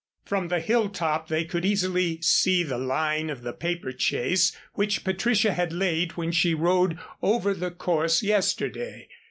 From the hilltop they could easily see the line of the paper chase which Patricia had laid when she rode over the course yesterday.